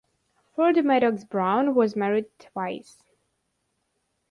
Ford Madox Brown was married twice.